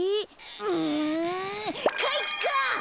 うんかいか！